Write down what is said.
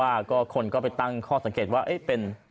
เพราะว่าคนก็ไปตั้งข้อสังเกตว่าเป็น